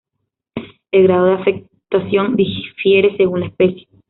El grado de afectación difiere según la especie.